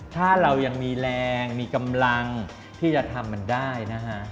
ถ้าเรายังมีแรงมีกำลังที่จะทำมันได้นะฮะ